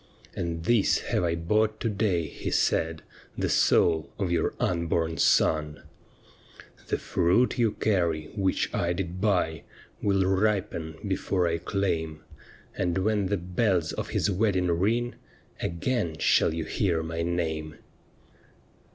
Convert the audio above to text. " And this have I bought to day," he said —" The soul of your unborn son. '" The fruit you carry, which I did buy. Will ripen before I claim ; THE WOMAN WHO WENT TO HELL 117 And when the bells of his wedding ring, Again shall you hear my name."